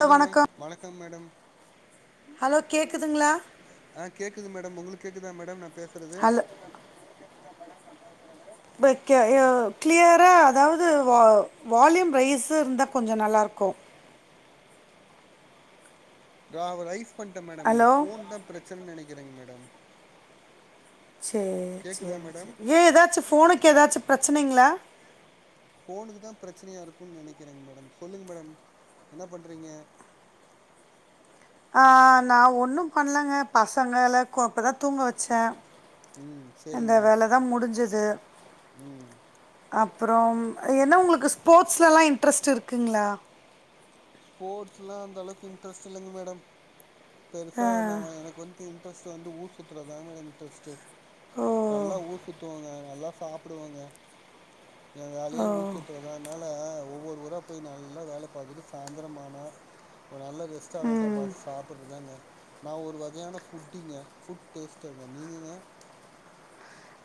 Hello வணக்கம் வணக்கம் madam hello கேக்குதுங்களா ஆ கேட்ககுது மேடம் உங்களுக்கு கேக்குதா மேடம் நா பேசுறது ஹலோ ம்ப கே எ க்ளியரா அதாவது வா வால்யூம் ரைஸ் இருந்தா கொஞ்ச நல்லாருக்கு நா அத ரைஸ் பண்ட்டே மேடம் ஏ ஹலோ போன் தா பிரச்சனைு நெனைக்கிறேங்க மேடம் சேரி கேக்குதா சேரி மேடம் சேரி ஏ ஏதாச்சு ஃபோனுக்கு ஏதாச்சு பிரச்சனைங்களா போனுக்கு தா பிரச்சனையா இருக்கும் நெனைக்கிறேங்க மேடம் சொல்லுங்க மேடம் என்னா பண்றீங்க அ நா ஒன்னு பண்ணலங்க பசங்கள கொ இப்ப தா தூங்க வச்சே ம் அந்த சேரிங்க வேலதா முடிஞ்சது ம் அப்பறம் என்ன உங்களுக்கு ஸ்போர்ட்ஸ்லா இன்ட்ரெஸ்ட் இருக்குங்களா ஸ்போர்ட்ஸ்லா அந்தளவுக்கு இன்ட்ரெஸ்ட் இல்லங்க மேடம் ஆ பெருசா நா எனக்கு வந்து அடுத்த இன்ட்ரெஸ்ட் வந்து ஊர் சுத்துறதா மேடம் இன்ட்ரெஸ்ட்டு ஓ நல்லா ஊர் சுத்துவாங்க நல்லா சாப்டுவாங்க ஏ வேலையே ஊர் ஓ சுத்துறதா அதனால ஒவ்வொரு ஊரா போய் நல்லா வேல பாக்குறது ச சாய்ந்தரமான ஒரு நல்ல ரெஸ்டாரண்டா பாத்து சாப்புறதாங்க நா ஒரு வகையான ஃபுட்டிங்க ஃபுட் டேஸ்டருங்க நீங்கங்க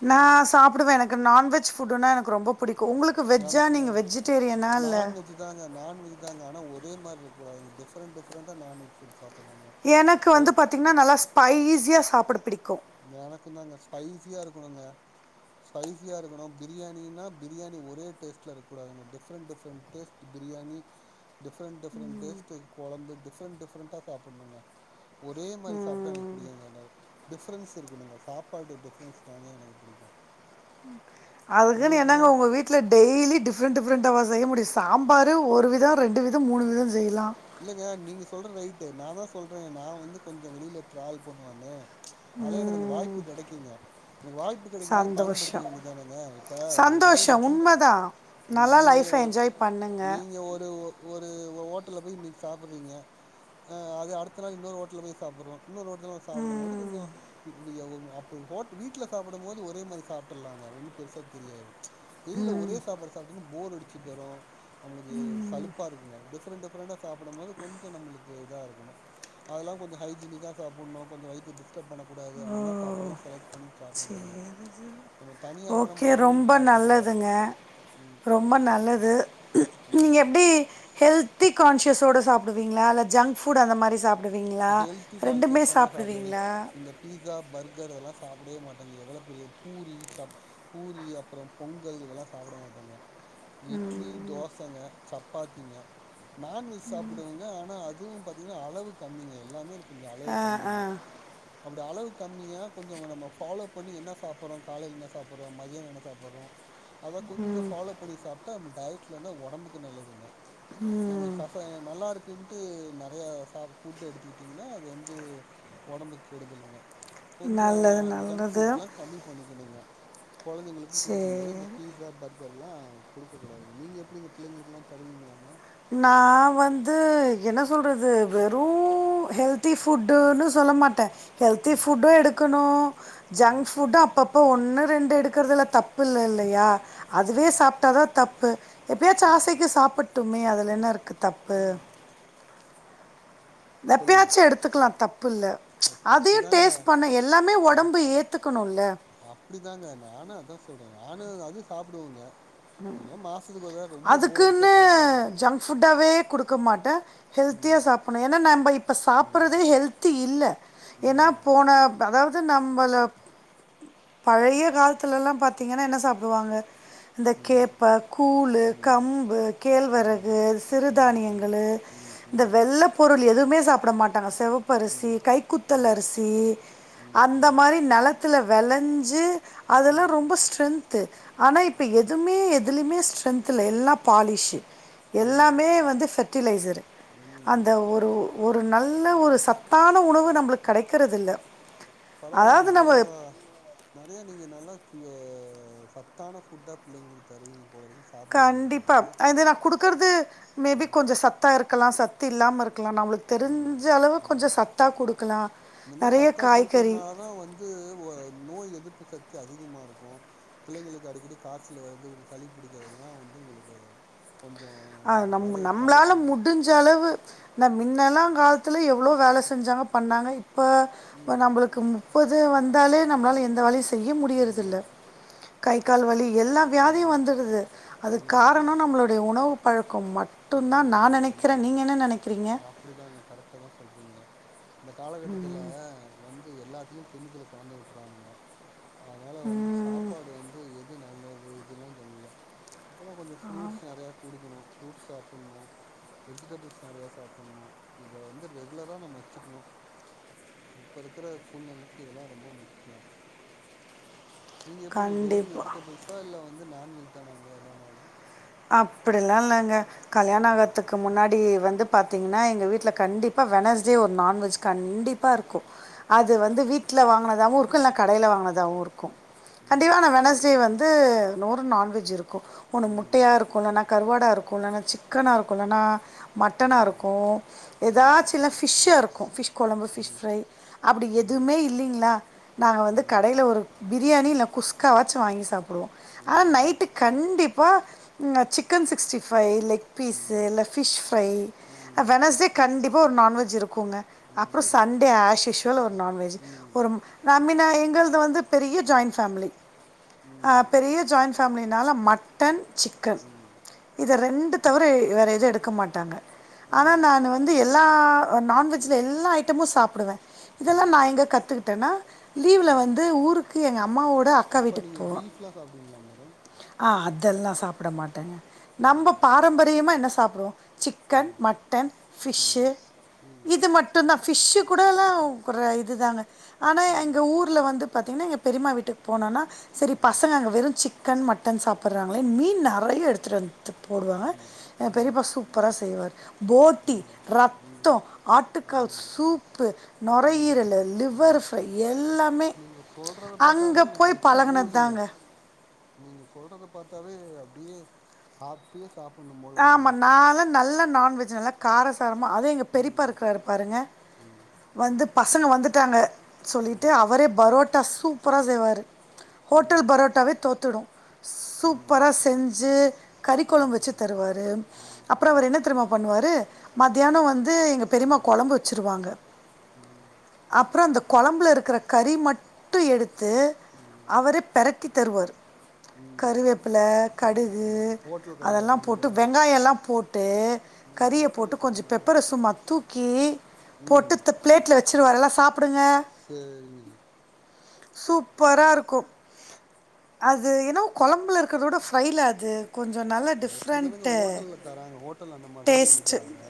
நா சாப்புடுவே எனக்கு நான்வெஜ் ஃபுட்டுன்னா எனக்கு ரொம்ப புடிக்கும் உங்களுக் கு வெஜ்ஜா நீங்க வெஜிடேரியனா இல்ல ங்க நான்வெஜ் தாங்க ஆன ஒரே மாரிருக்க கூடாது டிபரன்ட் டிபரன்ட நான்வெஜ் புட் சாப்புனுங்க எனக்கு வந்து பாத்திங்கன்னா நல்லா ஸ்பைஸியா சாப்பிட பிடிக்கு எனக்குந்தாங்க ஸ்பைசியா இருக்கணுங்க ஸ்பஸியா இருக்கணு பிரியாணின்னா பிரியாணி ஒரே டேஸ்டல இருக்ககூடாதுங்க different different taste to biryani different different taste கொழம்பு டிஃப்ரெண்ட் டிஃப்ரெண்டா சாப்டணுங்க ஒரே மாரி சாப்பிட்டா எனக்கு புடிக்காதுங்க டை டிஃப்ரென்ஸ் இருக்கணுங்க சாப்பாடு டிஃப்ரென்ஸ்ன எனக்கு பிடிக்கு அதுக்குன்னு உங்களுக்குங்க என்னாங்க ஒங்க வீட் ல டெய்லி டிஃப்ரெண்ட் டிஃப்ரெண்ட்டாவா செய்ய முடியு சாம்பாரு ஒரு வித ரெண்டு வித மூணு வித செய்யலா இல்லைங்க நீங்க சொல்ற ரைட்டு நான்தா சொல்றே நா வந்து கொஞ்ச வெளியில ட்ராவல் பண்ணுவனு ஆனா எனக்கு அந்த வாய்ப்பு கெடைக்குங்க எனக்கு வாய்ப்பு கெடைக்கும் போது பயன்படுத்திக்க சந்தோஷம் வேண்டியதானங்க இப்ப உ கடையில சந்தோஷம் இட்லி உண்மைதான் ம் நல்லா நீங்க லைஃப்பை என்ஜாய் பண்ணுங்க நீங்க ஒரு ஒ ஒரு ஹோட்டல்ல போய் இன்னைக்கு சாப்புறீங்க ஆ அது அடுத்த நா இன்னொரு ஓட்டல போய் சாப்பிட்றோ இன்னொரு ஓட்டலா போய் சாப்டும் போது கொஞ்ச [inaudible] அப்ப அ ஒ வீட்ல சாப்பிடும் போது ஒரே மாரி சாப்டர்லாங்க ஒண்ணு பெருசா தெரியாது வெளியில ஒரே சாப்பாடு சாப்ட போர்டிச்சு போரும் நம்மளுக்கு சலுப்பா இருக்குங்க டிஃப் டிஃப்ரெண்ட் டிஃரெண்டா சாப்டும்போது கொஞ்சோ நம்மளுக்கு இதா இருக்ணு அதெல்லா கொஞ்சோ ஹைஜீனிக்கா சாப்புணு கொஞ்சோ வயித்த டிஸ்டப் பண்ணகூடாது அந்த மாரி சாப்பாட்லா செலக் பண்ணி சாப்ணுங்க நம்ம தனியா இருக்னோ நம் ஓகே. ஒடம்பையு ரொம்ப பாத்துக்கணுங்க நல்லதுங்க. ம் ரொம்ப நல்லது நீங்க எப்டி ஹெல்த் தி கான்சியஸோட சாப்டுவிங்களா இல்ல ஜங்க் ஃபூட் அந்த மாரி சாப் ஹெல்தி கான்சியஸ் தாங்க சாப்டுவே இந்த பீஸா பர்கர் அதுல்லா சாப்டவே மாட்டாங்க எவ்ளோ பெரிய பூரி சப் பூரி அப்பறோ பொங்கல் இதெல்லா சாப்புட மாட்டங்க இட்லி தோசங்க சப்பாத்திங்க நான்வெஜ் சாப்டுவங்க ஆனா அதுவு பாத்தீங்கன்னா அளவு கம்மிங்க எல்லாமே எனக்கு கொஞ்சோ அளவு ஆ, ஆ. கம்மிங்க அப்டி அளவு கம்மியா கொஞ்சோ நம்ம ஃபாலோ பண்ணி என்னா சாப்ட்றோ காலையில என்னா சாப்ட்றோ மதியோ என்னா சாபுட்றோ சாப்டறோ அத கொஞ்சோ ஃபாலோ பண்ணி சாப்ட்டா டயட்ல இருந்த ஒடம்புக்கு நல்லதுங்க நம்ம கசயோ நல்லா இருக்குனுட்டு நறைய சாப் ஃபுட்டு் எடுத்துக்கிட்டிங்கன்னா அது வந்து ஒடம்புக்கு கெடுதலுங்க கொஞ்சோ நல்லது, ஜங்க் நல்லது. ஃபுட்லா கம்மி பண்ணிக்கணுங்க கொழந்தைங்களுக்கு குடுக்கு போது சரி. இந்த பீஸா பர் கர்ல்லா குடுக்க கூடாதுங்க நீங்க எப்டிங்க பிள்ளைங்களுக்லா தருவீங்களாங்க நா வந்து என்ன சொல்றது வேறு ஹெல்த்தி ஃபுட்டுனு சொல்ல மாட்டே ஹெல்த்தி ம் ஃபுட்டு எடுக்குணு ஜங்க் ம் ஃபுட்டு அப்பப் போ ஒண்ணு ரெண்டு எடுக்கறதுல தப்பு இல்ல இல்லியா அதுவே ம் சாப்ட்டாதா தப்பு எப்பயாச்சு ஆசைக்கு சாப்புட்டுமே அதில என்ன இருக்கு தப்பு ம் சொல்லுங்க எப்பயாச்சு எடுத்துக்கலா தப்பு இல்ல எப்ப அதையு அப்டிதாங்க டேஸ்ட் பண்ணு எல்லாமே அப் ஒடம்பு ஏத்துக்கணுல அப்டிதாங்க நானு அதா சொல்ற நானு அது சாப்புடுவங்க அடிச்சா அதுக்குன்னு சாப்டுவேங்க ஜங்க்ஃபுட்டாவே குடுக் க மாட்ட ஹெல்த்தியா ம் சாப்ட்ணு ஏனா நாம்ப இப்ப ம் சாப்ட்றதே ஹெல்த்தி இல்ல ஏனா ம் போன ப்ப அதாவு அது நம்பள பழைய காலத்துலலா பாத்தீங்கன்னா என்ன சாப்டுவாங்க இந்த ம் கேப்ப கூழு ம் கம்பு ம் கேழ்வரகு ம் ம் சிறுதானியங்களு ம் ம் பொருள் எதுவுமே சாப்ட மாட்டாங்க செவப் பு அரிசி ம் கைக்குத்தல் ம் அரிசி அந்த ம் மாரி நெலத் துல வெளைஞ்சு அதெல்லா ம் ரொம்ப ஸ்ட்ரென்த் ஆனா இப் எதுமே எதுலிமே ஸ்ட்ரென்த் இல்ல எல்லா பாலிஷு ம் எல்லாமே வந்து ஃபெ ட்டிலைசரு ம் அந்த ஒரு ஒரு நல்ல ஒரு சத்தான உணவு நம்பளுக்கு கெடைக்கறது இல்ல பரவாலங்க நெறையா நெறைய நீங்க நல்லா உ சத்தான ஃபுட்டா புள்ளைங்களுக்கு தருவீங்க போலருக்கு கண்டிப்பா அது நா குடுக்கறது மேபி ம் கொஞ்சோ சத் தா இருக்குலா சத்து இல்லாம இருக்குலா நம்பளுக்கு ம் தெரிஞ்ச அளவு கொஞ்சோ ம் சத்தா குடுக்கலா இந்த மாரி நெறையக் சத்தா காய்கறி குடுக்கறனால தா வந்து வ நோய் எதிர்ப்பு சத்தி அதிகமா இருக்கு பிள்ளைங்களுக்கு அடிக்கடி காச்சல் வர்து உங்க சளி பிடிக்கிறதுலா வந்து உங்களுக்கு கொஞ்சோ வரத தடுக்குங்க ஞ்ச அளவு ந மின்னெலா காலத்துல எவ்ளோ வேல செஞ்சாங்க பண்ணாங்க இப்போ இப்ப ம் நம்பளுக்கு முப்பது வந்தாலே நம்மளால எந்த வேலயு செய்ய முடியறது இல்ல ம் கை கால் வலி எல்லா வியாதியு ம் வந்துருது அதுக்கு ம் காரணோ நம்மளுடைய உணவு பழக்கோ மட்டுந்தா ம் நா நெனைக்கிற ம் நீங்க என்ன நெனைக் அப்டிதாங்க கரெக்டாதா சொல்றீங்க இந்த காலகட்டத்துல வந்து எல்லாத்துலயு கெமிக்கல கலந்து வுட்டு்றானுங்க அதனால வந்து ம். சாப்பாடு வந்து எது நல்லது இதெல்லா தெரியில அப்றோ கொஞ்சோ ஃப்ரூட்ஸ் நெறையா குடுக்கணு ஃப்ரூட்ஸ் சாப்ட்ணு வெஜிடபிள்ஸ் நெறையா சாப்ட்ணு இத வந்து ரெகுலரா நம்ம வெச்சிக்ணு இப்ப இருக்கிற சூழ்நிலைக்கு இதெல்லா ரொம்ப முக்கியோ நீங்க எப்டிங்க டெய்லி கண்டிப்பா. வெஜிடபிள்ஸா இல்ல வந்து நான்வெஜ் தானாங்க எல்லா நாளு அப்டிலா இல்லங்க கல்யாண ம் ஆகத்துக்கு முன்னாடி வந்து பாத்தீங்கன்னா எங்க வீட்ல கண்டிப் வெனஸ்டே ஒரு நான்வெஜ் கண்டிப்பா இருக்கு அது வந்து வீட்ல வாங்கினதாவு இருக்கு இல்ல கடையில வாங்கினதாவு இருக்கு கண்டிப்பா ம் ஆனா வெனஸ்டே வந்து ஒரு நான்வெஜ் இருக்கு ஒன்னு முட்ட ம் இருக்கு இல்லனா கருவாடாக இருக்கு இல்லனா சிக்கனாக இருக்கு இல்லனா மட்டனாக இருக்கு எதாச்சு இருக்கு இல்லனா ஃபிஷ் இருக்கு ஃபிஷ் கொழம்பு ஃபிஷ் ஃப்ரை அப்டி எதுவுமே இல்லிங்களா நாங்க வந்து கடையில் ஒரு பிரியாணி இல்ல குஸ்காவாச்சு வாங்கி சாப்பிடுவோ ஆனா நைட்டுக்கு கண்டிப்பா chicken sixty five leg piece இல்ல ஃபிஷ் ஃப்ரை வெனஸ்டே கண்டிப்பாக ஒரு நான்வெஜ் இருக்குங்க அப்றோ சண்டே ஆஷ்ஷுவல் ஒரு நான்வெஜ் ஒரு [unintelligible] எங்களது வந்து பெரிய ஜாயிண்ட் ஃபேமிலி ஆ பெரிய ஜாயிண்ட் ஃபேமிலினால மட்டன் சிக் கன் இத ரெண்ட தவிர வேற எது எடுக்க மாட்டாங்க ஆனா நானு வந் வந்து எல்லா நான்வெஜ்ல எல்லா ஐட்டமு சாப்பிடுவே இதெல்லா நா எங்க கத்துக்கிட்டேன்னா லீவ்ல வந்து ஊருக்கு எங்க அம்மாவோட அக்கா வீட்டுக்கு போவோ அப்டிங்களா மேடம் ஆ அதெல்லா சாப்பிட மாட்டேங்க நம்ம ம் பாரம்பரியமா என்ன சாப்பிடுவோ சிக்கன் மட் டன் ஃபிஷ்ஷு ம் ம் இது மட்டு தா ஃபிஷ்ஷு கூடலா இது தாங்க ஆனா எங்க ஊர்ல வந்து பாத்தீங்கன்னா எங்க பெரிம்மா வீட்டுக்கு போனோன்னா செரி பசங்க அங்கே வெரு சிக் சிக்கன் மட்டன் சாப்ட்றாங்களே மீன் நெறைய எடுத்துட்டு வந்து போடுவாங்க எங்க ம் பெரியப்பா சூப் சூப்பரா செய்வாரு ஃபோட்டி ம் ரத் ம் த்தோ ஆட்டுக்கால் ம் சூப்பு ம் நொரையீரலு லிவர் ஃப்ரை எல்லாமே நீங்க சொல்றத பாத்தாவே அங்கே எனக்கு போய் எச்சு பழகுனது ஊருதுங்க தாங்க நீங்க சொல்றத பாத்தாவே அப்டியே இப்பியே சாப்பினு போ ஆ ஆமா நால்ல நல்லா நான்வெஜ் நல்ல கார சாரமா அதவு எங்க பெரியப்பா ம் இருக்கிறாரு பாருங்க ம் வந்து பசங்க வந்துட்டாங்க சொல்லிட்டு ம் அவரே பரோட்டா சூப்பரா செய்வாரு ஹோட்டல் ம் பரோட்டாவே தோத்துடு ம் சூப்பரா செஞ்சு கறி கொளம்பு ம் வெச்சு தருவாரு ம் ம் அப்றோ அவரு ம் என்ன தெரியுமா பண்ணுவாரு மத்தியானோ வந்து எங்க பெரிம்மா கொழம்பு வெச்சுருவாங்க ம் அப்றோ அந்த கொழம்புல இருக்கிற கறி மட்டு எடுத்து ம் அவரே பெரட்டி தருவார் ம் கருவேப்பில கடுகு ம் ஹோட்டல் கடையில அதெல்லா பண்ண போட்டு மாரி வெங்காயோ எல்லா போட்டு ம் கறிய போட்டு ஹோட்டல்ல தர கொஞ்சோ மாரியே பெப்பர சும்மா தூக்கி ம் போட்டு பிளேட்ல வெச்சுருவாரு எல்லா சாப்பிடுங்க சேரிங்க சூப்பரா இருக்கு அது என்னவோ கொழம்புல இருக்கறதோட ஃப்ரைல அது கொஞ்சோ நல்லா டிஃப் இப்டித்தானங்க ஹோட்டல்ல தராங்க ஹோட்டல்ல அந்த மாரி தான டேஸ்ட்டு பண்ணிதராங்க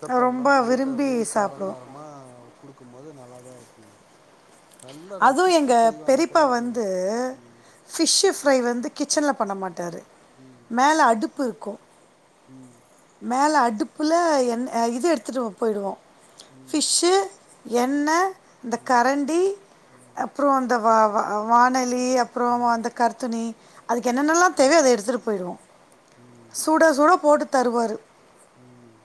பெப்பர்ல்லா ரொம்ப போட்டு விரும்பி அப்டியே சாப்பிடுவோம் காரசாரமா குடுக்கும் போது நல்லாதா இருக்குங்க நல்லா அதுவு ரசிச்சு எங்க செய்வாங்க பெரிப்பா போல இருக்குங்க வந்து ம் ஃபிஷ் ஃப்ரை வந்து கிச்சன்ல பண்ண மாட்டாரு ம் மேல அடுப்பு இருக்கு ம் மேல அடுப் ல என் இது எடுத்துட்டு போய்டுவோ ம் ஃபிஷ்ஷு எண்ணெ இந்த கரண்டி ம் அப்பற இந்த வா வாணலி அப்பற ம் ம் அந்த கரித்துணி அதுக்கென்னென்னலா தேவயோ ம் அத எடுத்துட்டு போய்டுவோ சுட சுட போட்டு தருவாரு ம்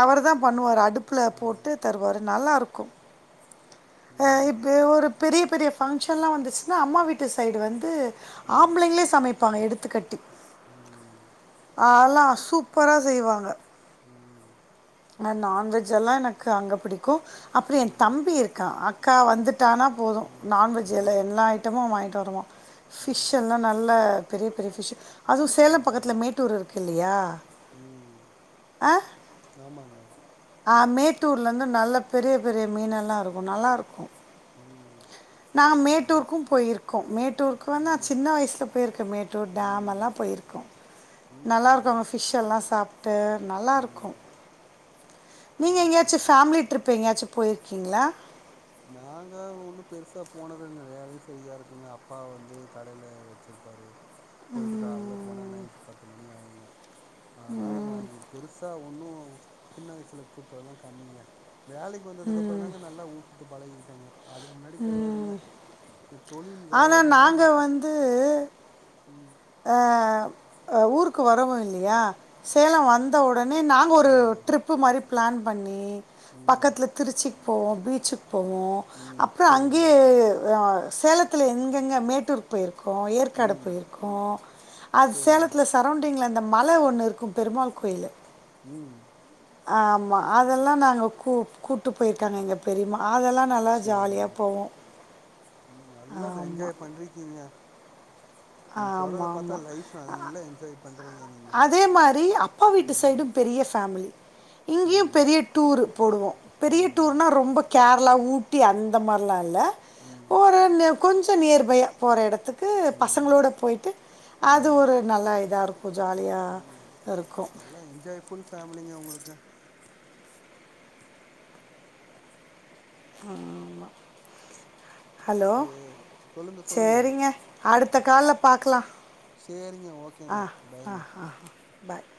அவருதா பண்ணுவாரு அடுப்புல ம் போட்டு தருவாரு நல்லாருக்கு ம் து ஒரு பெரிய பெரிய ஃபங்க்ஷன்லா வந்துச்சுனா அம்மா வீட்டு சைடு வந்து ம் ஆம்பளைங்களே சமைப்பாங்க எடுத்துக்கட்டி ம் அதல்லா சூப்பரா செய்வாங்க ம் அ நான்வெஜ் எல்லா எனக்கு அங்க பிடிக்கு அப்ற ம் என் ம் தம்பி இருக்கா அக்கா வந்துட்டானா போது நான்வெஜ் ம் எல்லா எல்லா ஐட்டமு வாங்கிட்டு வருவா ஃபிஷ் எல்லா நல்லா பெரிய பெரிய ஃபிஷ்ஷு அதுவு ம் சேலம் ம் பக்கத்தில மேட்டூர் இருக்கு இல்லயா ம் ஆ ஆமாங்க அ மேட்டூர்லருந்து நல்ல பெரிய பெரிய மீனெல்லா இருக்கு நல்லாருக்கு ம் நா இது மேட்டூருக்கு போயிருக்கோ மேட்டூருக்கு வந்து நா ம் சின்ன வயசுல போய்ருக்கே மேட் டு டேம்மெல்லா ம் போய்ருக்கோ நல்லாருக்கு ம்ஹூம் அங்க ஃபிஷ்ஷெல்லா சாப்ட்டு நல்லாருக்கு ம் நீங்க எங்கயாச்சு ம்ஹூம் பேமிலி ட்ரிப் எங்கயாச்சு போய்ருக்கீங்ளா நாங்க ஒன்னு பெருசா போனதுங் கெடையாது சரியா இருக்குங்க அப்பா வந்து கடைல வச் ச்சல் பாரு போய்ட்டு காலல போனா நைட்டு பத்து மணி ஆகுங்க அதனால நாங்க பெருசா ஒன்னு சின்ன வயசல சுத்தல்லா கம்மிங்க வேலைக்கு வந்ததுக்கு அப்பறதாங்க நல்லா ஊர் குத்து பழகிகிட்டேங்க அதுக்கு முன்னாடி கெடையாதுங்க என் தொழில் ஆனால் வேலைனால நா நாங்கள் வந்து ம் அ ஊருக்கு வரவோ இல்லயா சேலம் வந்த உடனே நாங்க ஒரு ம் ட்ரிப்பு மாரி பிளான் பண்ணி ம் பக்கத்துல திருச்சிக்கு போவோம் பீச்சுக்கு போவோம் ம் அப்பற சேரிங்க அங்கயே சேலத்தில் எங்கெங்கே மேட்டூர் போய்ருக்கோ ஏற்காடு ம் போய்ருக்கோ அது சேரிங்க சேலத்தில சார் சரௌண்டிங்ல இந்த மல ஒன்னு இருக்கு பெருமாள் கோயிலு ம் ஆமா அதெல்லா நாங்க கூ கூட்டு போய்ருக்காங்க எங்க பெரிம்மா அதெல்லா நல்லா ஜாலியா சேரிங்க போவோ ம் நல்லா த என்ஜாய் பண்றிக்கீங்க நீங்க சொல்றத ஆமாம் பாத்தா ஆமாம் லைஃப நல்லா எஞ்ஜாய் பண்றீங்க நீங் அதே மாதிரி அப்பா வீட்டு சைடும் பெரிய ஃபேமிலி இங்கேயு ம் பெரிய டூரு போடுவோ பெரிய ம் டூர்னா ரொம்போ கேரளா ஊட்டி அந் இந்த மார்லா இல்ல ம் போறந்த கொஞ்சோ நியர்பை போற எடத்துக்கு ம் பசங்களோட போயி்ட்டு அது ம் ஒரு நல்லா இதா இருக் ம் நல்லா என்ஜாய் ஃபுல் ஃபேமிலிங்க உங்குளுக்கு ஆமா ஹலோ சே சொல்லுங்க சொல்லுங்க செரிங்க அடுத்த கால்ல பாக்கலா செரிங்க ஓகேங்க பாய்ங்க ஆ பாய்